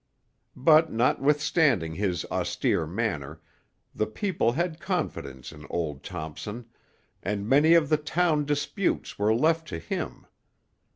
But notwithstanding his austere manner, the people had confidence in old Thompson, and many of the town disputes were left to him.